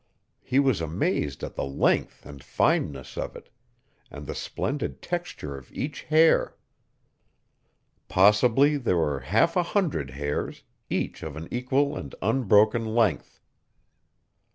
He was amazed at the length and fineness of it, and the splendid texture of each hair. Possibly there were half a hundred hairs, each of an equal and unbroken length.